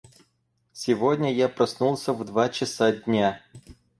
Сегодня я проснулся в два часа дня.